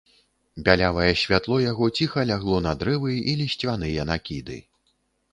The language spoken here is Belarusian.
Бялявае святло яго ціха лягло на дрэвы і лісцвяныя накіды.